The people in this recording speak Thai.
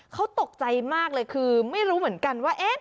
เขาตกใจมากเลยคือไม่รู้เหมือนกันว่า